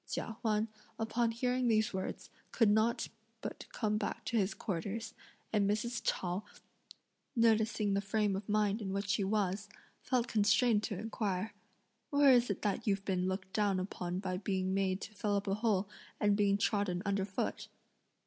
Chia Huan upon hearing these words could not but come back to his quarters; and Mrs. Chao noticing the frame of mind in which he was felt constrained to inquire: "Where is it that you've been looked down upon by being made to fill up a hole, and being trodden under foot?"